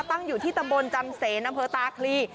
ตั้งอยู่ที่ตำบลจำเสนพฤตาคลี